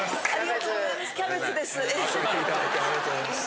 ありがとうございます。